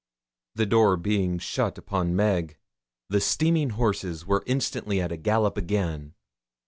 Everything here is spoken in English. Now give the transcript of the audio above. The door being shut upon Meg, the steaming horses were instantly at a gallop again.